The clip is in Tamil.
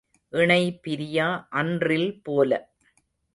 இணை பிரியா அன்றில் போல.